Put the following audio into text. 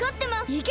いけ！